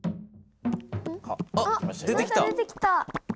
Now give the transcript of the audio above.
あっ何か出てきた。